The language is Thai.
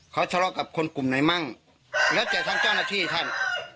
เขาทะเลาะกับคนกลุ่มไหนมั่งแล้วแต่ทั้งเจ้าหน้าที่ท่าน